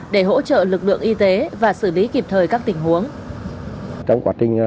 để hỗ trợ lực lượng y tế và xử lý kịp thời các tình huống